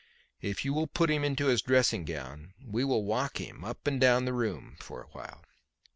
If you will put him into his dressing gown we will walk him up and down the room for a while."